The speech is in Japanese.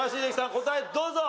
答えどうぞ！